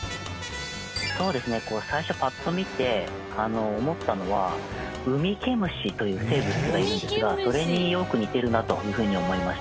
そうですね最初パッと見て思ったのはウミケムシという生物がいるんですがそれによく似てるなというふうに思いましたね。